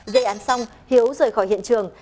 gây án xong hiếu rời khỏi hiện trường